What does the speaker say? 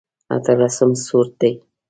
اتلسم سورت دی.